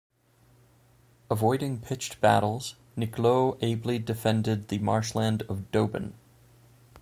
Avoiding pitched battles, Niklot ably defended the marshland of Dobin.